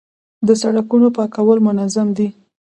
د سړکونو پاکول منظم دي؟